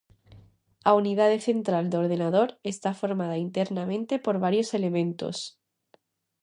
A unidade central do ordenador está formada internamente por varios elementos.